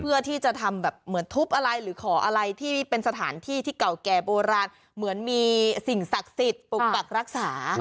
เพื่อที่จะทำแบบเหมือนทุบอะไรหรือขออะไรที่เป็นสถานที่ที่เก่าแก่โบราณเหมือนมีสิ่งศักดิ์สิทธิ์ปกปักรักษา